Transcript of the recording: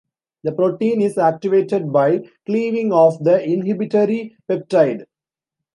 The protein is activated by cleaving off the inhibitory peptide.